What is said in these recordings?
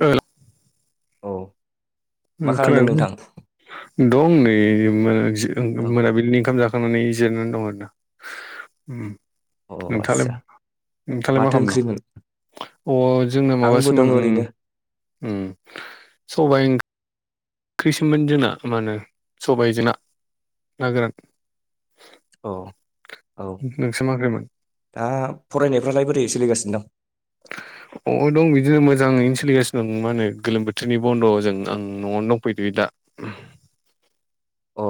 र औ मा खालामदों खोनादों नोंथां दं नै औ मोनाबिलिनि ओंखाम जाखां खांनानै जिरनानै दं आरोना औ नोंथाङालाय आदसा नोंथालाय मा माथो खालामनो ओंख्रिमोन अ जोंना आंबो दं माबासोमोन ओरैनो सबाय सोममोन जोंना मा होनो सबाय जों ना ना गोरान औ औ नोंसा मा ओंख्रिमोन दा फरायनायफ्रालाय बोरै सोलिगासिनो दं अ दं बिदिनो मोजाङैनो सोलिगासिनो माने गोलोम बोथोरनि बन्द'जों आं न'आवनो दंफैदो बिदिनो दा अ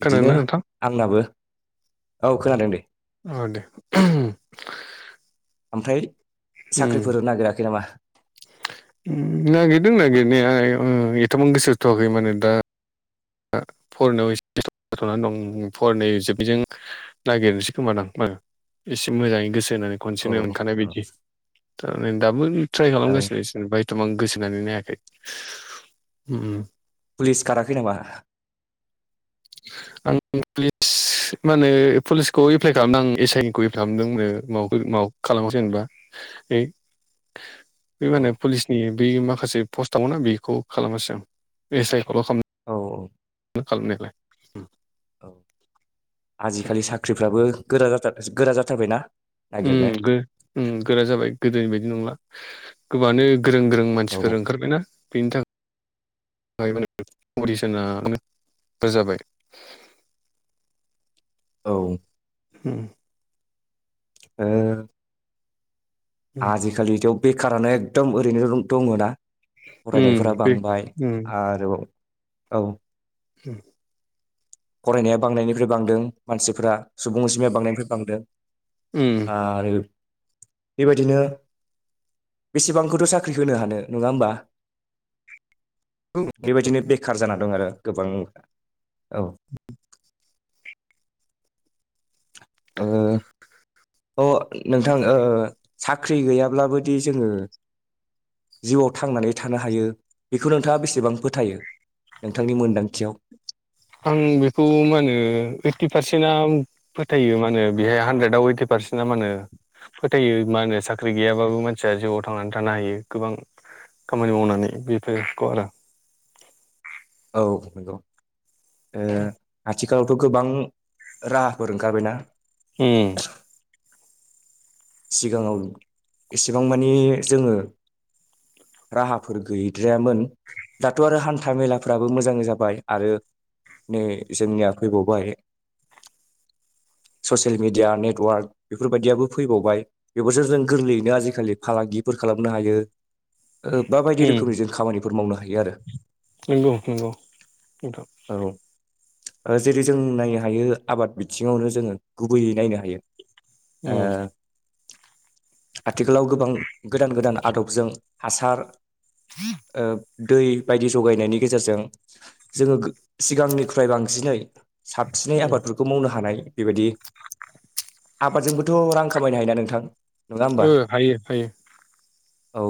खोनादोंना बिदिनो नोंथां आंनाबो औ खोनादों दे औ दे ओमफ्राय उम साख्रिफोर नागिराखै नामा नागिरदों नागिरनाया एथामान गोसोथ'वाखै माने दा फरायनायाव एसे'नानै दं फरायनाय जोबैजों नागिरनोसै खोमा दां बारा एसे मोजाङै गोसो होनानै औ खनसेनो मोनखानाय औ बायदि ओ दाबो ट्राइ ओं खालामगासिनो थबां गोसो होनानै नायाखै ओम पुलिस खाराखै नामा आं पुलिस मा होनो पुलिसखौ एप्लाइ खालामदों आं एस आइ खौ एप्लाइ खालामदों मा मा खालामसै जेनेबा ए [inaudible] बे माने पुलिसनि बे माखासे पस्टआव ना बेखौ खालामासै आं एस आइ खौल' खा औ औ खालामनायालाय औ आजिखालि साख्रिफ्राबो गोरा जाथार गोरा जाथारबायना? नागिरनो ओम गो ओम गोरा जाबाय गोदोनि बायदि नंला गोबाङानो गोरों गोरों औ मानसिफोर ओंखारबायना बेनि थाखाय माने अदिसना दा जाबाय औ ओम ओ उम आजिखालिथ' बेखारानो एकदम ओरैनो दङ' ना उम फरायनायफोरा बे बांबाय उम आरोबाव औ ए फरायनाया बांनायनिफ्राय बांदों मानसिफोरा सुबुं अनजिमाया बांनायनिफ्राय बांदों आरो बेबायदिनो बेसेबांखौथ' साख्रि होनो हानो नङा होमबा उम बेबायदिनो बेखार जाना दं आरो गोबां औ ओ अ नोंथां ओ साख्रि गैयाब्लाबोदि जोङो जिउआव थांनानै थानो हायो बेखौ नोंथाङा बेसेबां फोथायो नोंथांनि मोनदांथियाव आं बेखौ मा होने ओइटि पारसेन्ट आ फोथायो माने बेहाय हानद्रेदआव ओइटि पारसे फारसिना मा होनो फोथायो मा होनो साख्रि गैयाबाबो मानसिया जिउआव थांनानै थानो हायो गोबां खामानि मावनानै बेफोरखौ आरो औ नंगौ ओ आथि थिखालावथ' गोबां राहाफोर ओंखारबायना ओम सिगाङाव एसेबां मानि जोङो राहाफोर गैद्रायामोन दाथ' आरो हान्था मेलाफ्राबो मोजां जाबाय आरो नै जोंनिया फैबावबाय ससियेल मिडिया नेटवार्क बेफोर बायदियाबो फो फैबावबाय बेफोरसो जों गोरलैयैनो आजिखालि फालांगिफोर खालामनो हायो ओ बाबायदि उम रोखोमनि जों खामानिफोर मावनो हायो आरो नंगौ नंगौ नोंथां औ ओ जेरै जों नायनो हायो आबाद बिथिङावनो जोङो गुबैयै नायनो हायो ओ उम आथिखालाव गोबां गोदान गोदान आदबजों हासार ओ दै बायदि ज'गायनायनि गेजेरजों जोङो गो सिगांनिख्रुय बांसिनै साबसिनै उम आबादफोरखौ मावनो हानाय बेबायदि आबादजोंबोथ' रां खामायनो हायोना नोंथां नङा होमबा ओ हायो हायो औ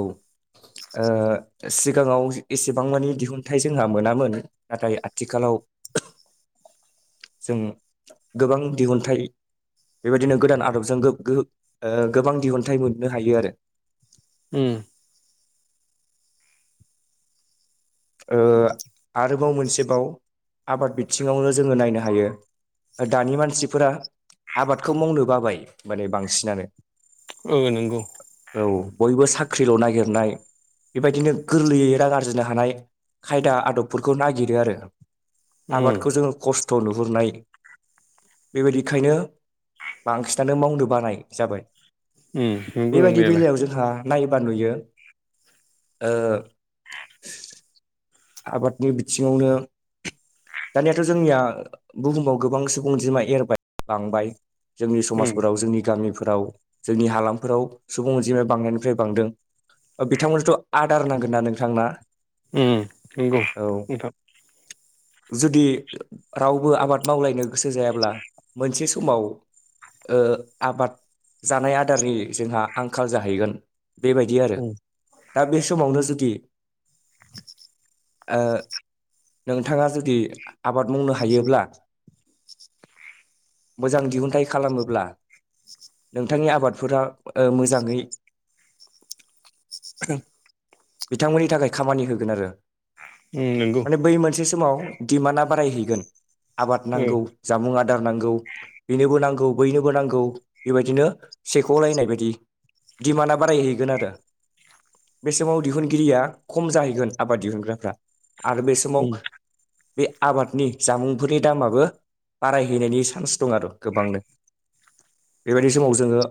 सिगाङाव एसेबां मानि दिहुनथाइ जोंहा मोनामोन नाथाय आथिखाल उ जों गोबां दिहुनथाइ बेबायदिनो गोदान आदबजों गोबां दिहुनथाइ मोननो हायो आरो उ ओ आरोबाव मोनसेबाव आबाद बिथिङावनो जोङो नायनो हायो दानि मानसिफोरा आबादखौ मावनो बाबाय माने बांसिनानो औ नंगौ औ बयबो साख्रिल' नागिरनाय बेबायदिनो गोरलैयै रा आरजिनो हानाय खायदा आदबफोरखौ नागिरो आरो उम आबादखौ जोङो खस्थ' फट' नुहुरनाय बेबायदिखायनो बांसिनानो मावनो बानाय जाबाय उम नंगौ बेबायदि नंनायालाय बेलायाव जोंहा नायोबा नुयो आबादनि बिथिङावनो दानियाथ' जोंनिया बुहुमाव गोबां सुबुं अनजिमा एरबाय बांबाय जोंनि उम समाजफोराव जोंनि गामिफोर फोराव जोंनि हालामफोराव सुबुं अनजिमाया बांनायनिफ्राय बांदों बिथांमोननोथ' आदार नांगोन ना नोंथांना उ नंगौ औ नोंथां जुदि रावबो आबाद मावलायनो गोसो जायाब्ला मोनसे समाव आबाद जानाय आदारनि जोंहा आंखाल जाहैगोन बेबायदि आरो उम दा बे समावनो जुदि नोंथाङा जुदि आबाद मावनो हायोब्ला मोजां दिहुनथाइ खालामोब्ला नोंथांनि आबादफोरा मोजाङै बिथांमोननि थाखाय खामानि होगोन आरो उम नंगौ माने बै मोनसे समाव डिमान्डआ बारायहैगोन आबाद ओ नांगौ जामुं आदार नांगौ बेनोबो नांगौ बैनोबो नांगौ बेबायदिनो सेख'लायनाय बायदि डिमान्डआ बारायहैगोन आरो बे समाव दिहुनगिरिया खम जाहैगोन आबाद दिहुन फोरा आरो बे समाव उम बे आबादनि जामुंफोरनि दामाबो बारायहैनायनि चान्स दं आरो गोबांनो बेबायदि समाव जोङो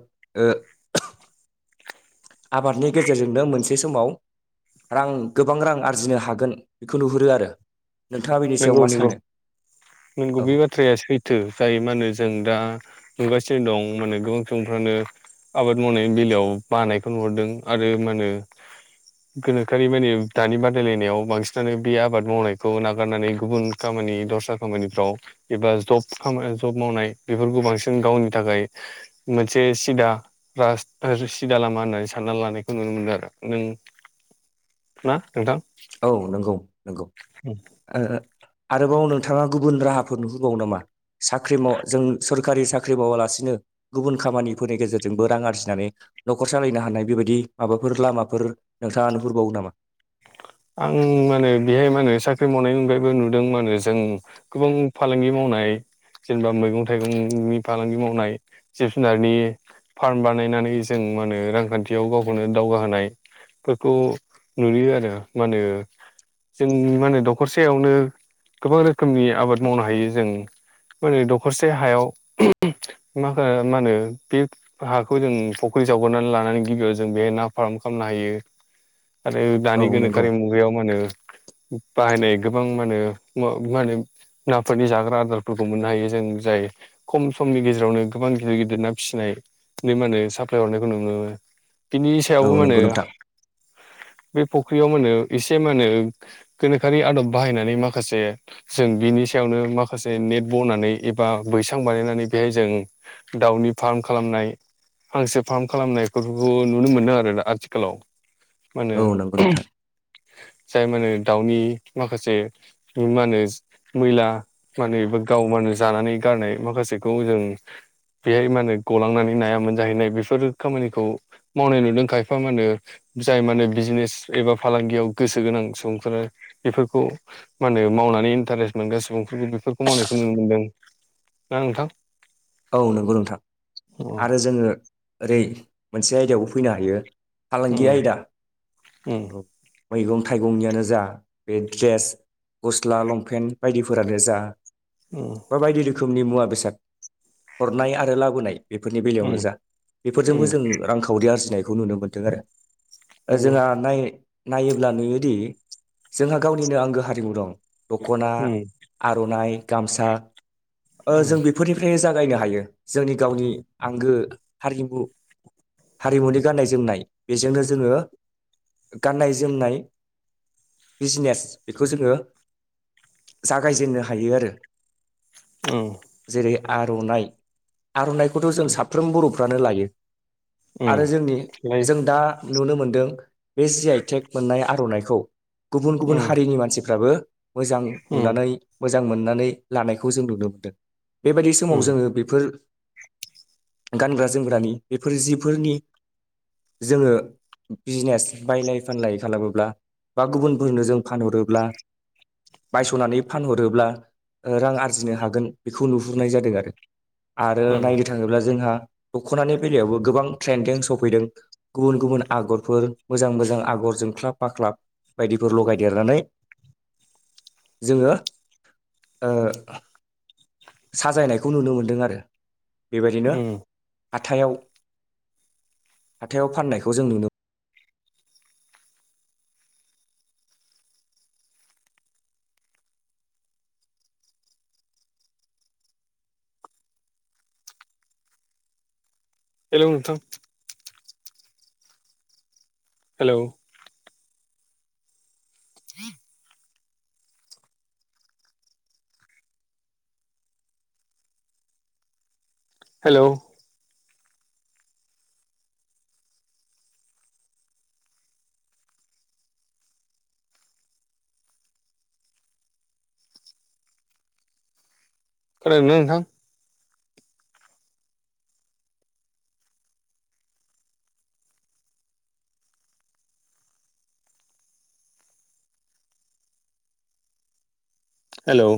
आबादनि गेजेरजोंनो मोनसे समाव रां गोबां रां आरजिनो हायो हागोन बेखौ नुहुरो आरो नोंथाङा बेनि सायाव मा सानो नोंगौ औ बे बाथ्राया सैथो जाय मा होनो जों दा नुगासिनो दं माने गोबां सुबुंफ्रानो आबाद मावनायनि बेलायाव बानायखौ नुहरदों आरो मा होनो गोनोखोरि माने दानि बादायलायनायाव बांसिनानो बे आबाद मावनायखौ न नानै गुब खामानि द खामानिाव एबा जब मावनाय बे बांसिन गावनि थाखाय मोनसे सिदा सिदा लामा होननानै सानना लानायखौ नुनो मोनो रा नों [inaudible] ना नोंथां औ नंगौ नंगौ आरोबाव नोंथाङा गुबुन राहाफोर नुहोबावो नामा साख्रि माव जों सरखारि साख्रि मावालासे गुबुन खामानिफोरनि गेजेरजोंबो रां आरजिनानै न'खर सालायनो हानाय बेबायदि माबाफोर लामाफोर नोंथाङा नुहुरबावो नामा आं माने बेहाय माो साख्रि मावनायनि अनगायैबो नुदों माने जों गोबां फालांगि मावनाय मावनाय जेनेबा मैगं थाइगंनि फालांगि मावनाय जिब जुनारनि फार्म बानायनानै जों मा होनो रांखान्थियाव गावखौनो दावगाहोनाय फोरखौ नुयो आरो मा होनो जोंनि माने होनो दखरसेायावनो गोबां रोखोमनि आबाद मावनो हायो जों माने दखरसे हायाव मा मा होनो बे हाखौ जों फखिरि फख्रि जावग्रनानै लानानै गिबियाव जों बे ना फार्म खालामनो हायो [inaudible] आरो औ दानि नंगौ गोनोखोरि मुगायाव माने होनो बाहायनाय गोबां मा मा होनो नाफोरनि जाग्रा आदारफोरखौ मोननो हायो जों जाय खम समनि गेजेरावनो गोबां गिदिर गिदिर ना फिसिनाय माने होनो साप्लाय हरनायखौ नुनो मोन बिनि सायावबो औ मा नंगौ होनो नोंथां बे फख्रियाव माने एसे मानो गोनोखोरि आदब बाहायनानै माखासे जों बिनि सायावनो माखासे नेट बनानै एबा बैसां बानायनानै बेहाय जों दाउनि फार्म खालामनाय फांसे फार्म खालामनायफोरखौ नुनो मोनदों आरोना आथिखालाव मा होनो औ नंगौ नोंथां जाय मानो दाउनि माखासे मा होनो मैला मा होनो एबा गावबानो जानानै गारनाय माखासेखौ जों बेहाय मा होनो गलांनानै नायामोन जाहैनाय बेफोरो खामानिखौ मावनाय नुदों खायफा माने जाय माने बिजनेस एबा फालांगियाव गोसो गोनां सुबुंफोरा बेफोरखौ मा होने मावनानै इन्टारेस्ट मोनग्रा सुबुं बेफोरखौ मावनायखौ नुनो मोनदों ना नोंथां औ नंगौ नोंथां अ आरो जोङो ओरै मोनसे आयदायावबो फैनो हायो फालांगि उम आयदा उम औ मैगं थाइगंनियानो जा बे ड्रेस गस्ला लंपेन्ट बायदिफोरानो जा उम बा बायदि रोखोमनि मुवा बेसाद हरनाय आरो लाबोनाय बेफोरनि उम बेलायावनो जा बेफोरजोंबो उम जों रांखावरि आरजिनायखौ नुनो मोन्दों आरो नंगौ जोंहा नाय नायोब्ला नुयोदि जोंहा गावनिनो आंगो हारिमु दं दख'ना उम आर'नाइ गामसा उम जों बेफोरनिफ्राय जागोन नायनो हायो जोंनि गावनि आंगो हारिमु हारिमुनि गाननाय जोमनाय बेजोंनो जोङो गाननाय जोमनाय बिजनेस बेखौ जोङो जागायजेननो हायो आरो औ जेरै आर'नाइ आर'नाइखौथ' जों साफ्रोम बर'फ्रानो लायो उम आरो जोंनि लायो जों दा नुनो मोनदों बे जि आइटेक मोननाय आर'नाइखौ गुबुन गुबुन उम हारिनि मानसिफ्राबो मोजां उम नुनानै मोजां मोननानै लानायखौ जों नुनो मोनदों बेबायदि समाव उम जोङो बेफोर गानग्रा जोमग्रानि बेफोर जिफोरनि जोङो बिजनेस बायलाय फानलाय खालामोब्ला बा गुबुनफोरनो जों फानहरोब्ला बायस'नानै फानहरोब्ला ओ रां आरजिनो हागोन बेखौ नुहुरनाय जादों आरो। आरो उम नायनो थाङोब्ला जोंहा दख'नानि बेलायावबो गोबां ट्रेन्डिं सफैदों गुबुन गुबुन आगरफोर मोजां मोजां आगर जोंख्लाब फाख्लाब बायदिफोर लगायदेरनानै जोङो ओ साजायनायखौ नुनो मोनदों आरो बेबायदिनो उम हाथाव हाथायाव फाननायखौ जों नुनो हेलौ नोंथां। हेलौ [inaudible] हेलौ खोनादोंना नोंथां? हेलौ